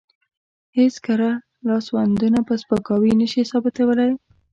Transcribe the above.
هېڅ کره لاسوندونه په سپکاوي نشي ثابتولی.